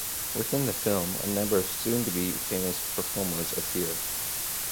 Within the film, a number of soon-to-be famous performers appear.